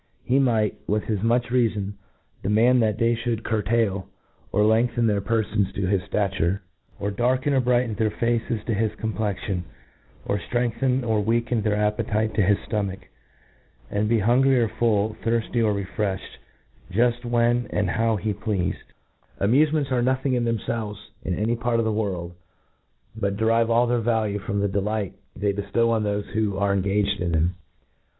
He might, with as mucl^ reafon, demand, that they fhould curtail or lengthen their perfons to his ftature ; or darken pr brighten their faces to his completion; or ftrengthen or weaken their appetite to his fto mach, and be hungry or full, thirfty or refreflied, j^ft when ^d how he plcafcd, Amufements are nothing in themfelves in a ? ijy part of the ^orld ; bpt derive all their value from the delight they beftow on thofc who arc engaged in them.